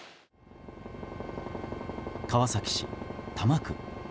川崎市多摩区。